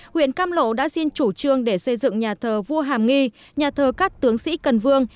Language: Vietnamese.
huyện cam lộ đã xin chủ trương để xây dựng nhà thờ vua hàm nghi nhà thờ các tướng sĩ cần vương